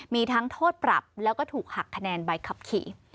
มีทั้งโทษปรับแล้วก็ถูกหักคะแนนใบขับขี่